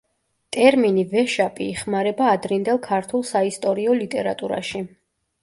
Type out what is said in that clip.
ტერმინი ვეშაპი იხმარება ადრინდელ ქართულ საისტორიო ლიტერატურაში.